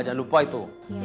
jangan lupa itu